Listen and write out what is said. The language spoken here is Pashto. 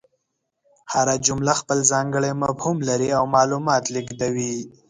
هره جمله خپل ځانګړی مفهوم لري او معلومات لېږدوي.